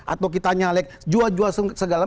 atau kita nyalek jual jual segala